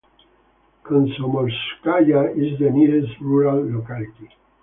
Komsomolskoye is the nearest rural locality.